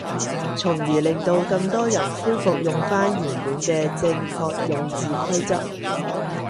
從而令到更多人恢復用返原本嘅正確用字規則